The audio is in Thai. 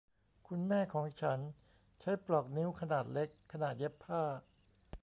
คุณแม่ของฉันใช้ปลอกนิ้วขนาดเล็กขณะเย็บผ้า